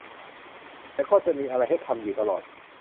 แต่ก็จะมีอะไรให้ทำอยู่ตลอด